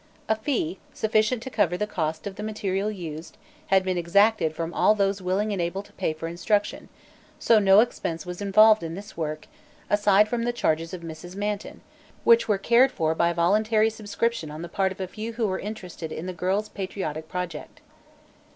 A fee, sufficient to cover the cost of the material used, had been exacted from all those willing and able to pay for instruction, so no expense was involved in this work aside from the charges of Mrs. Manton, which were cared for by voluntary subscription on the part of a few who were interested in the girls' patriotic project.